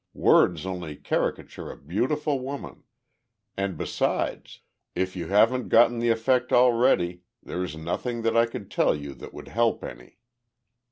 Words only caricature a beautiful woman, and, besides, if you haven't gotten the effect already, there's nothing that I could tell you that would help any.